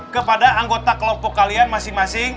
kepada anggota kelompok kalian masing masing